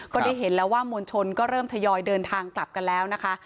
ก็ได้เห็นแล้วว่ามวลชนก็เริ่มทยอยเดินทางกลับกันแล้วนะคะ